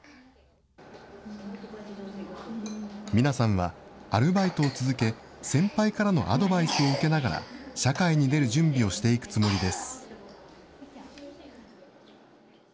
ミナさんはアルバイトを続け、先輩からのアドバイスを受けながら、社会に出る準備をしていくつもりです。